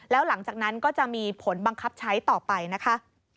แล้วหลังจากนั้นก็จะมีผลบังคับใช้ต่อไปนะคะ